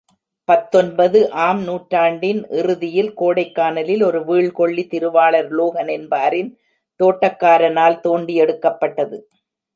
பத்தொன்பது ஆம் நூற்றாண்டின் இறுதியில் கோடைக்கானலில் ஒரு வீழ்கொள்ளி திருவாளர் லோகன் என்பாரின் தோட்டக்காரனால் தோண்டி எடுக்கப்பட்டது.